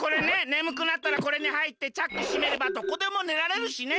ねむくなったらこれにはいってチャックしめればどこでもねられるしね。